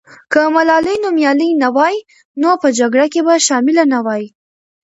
که ملالۍ نومیالۍ نه وای، نو په جګړه کې به شامله نه وای.